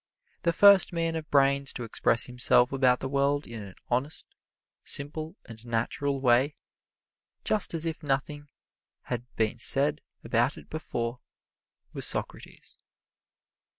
The first man of brains to express himself about the world in an honest, simple and natural way, just as if nothing had been said about it before, was Socrates.